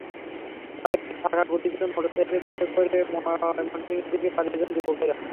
পরে একটি ফাঁকা গুলি ছুড়ে মোটরসাইকেলে করে ময়মনসিংহের দিকে পালিয়ে যান যুবকেরা।